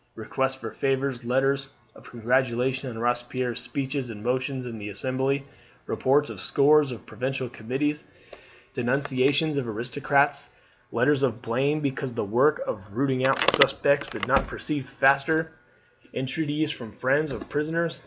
Requests for favours, letters of congratulation on Robespierre's speeches and motions in the Assembly, reports of scores of provincial committees, denunciations of aristocrats, letters of blame because the work of rooting out the suspects did not proceed faster, entreaties from friends of prisoners.